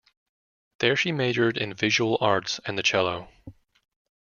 There she majored in visual arts and the cello.